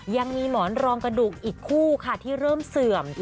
ยังมีหมอนรองกระดูกอีกคู่ค่ะที่เริ่มเสื่อม